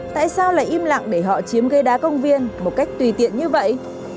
tại sao lại im lặng để họ chiếm ghế đá công viên một cách tùy tiện như vậy